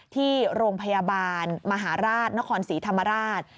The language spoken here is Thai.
ที่โรงพยาบาลมหาราชนครศรีธรรมราช